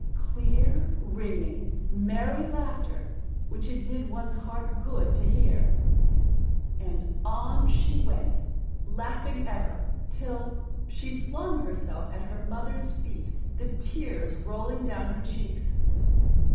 Clear, ringing, merry laughter, which it did one's heart good to hear. And on she went, laughing ever, till she flung herself at her mother's feet, the tears rolling down her cheeks.